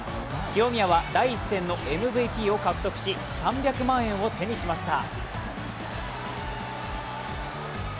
清宮は第１戦のＭＶＰを獲得し３００万円を手にしました。